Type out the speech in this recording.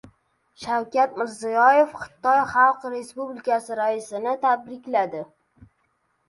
Shavkat Mirziyoyev Xitoy Xalq Respublikasi Raisini tabrikladi